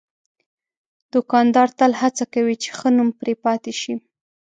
دوکاندار تل هڅه کوي چې ښه نوم پرې پاتې شي.